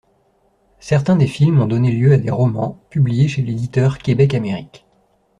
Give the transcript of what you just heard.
Certains des films ont donné lieu à des romans, publiés chez l'éditeur Québec-Amérique.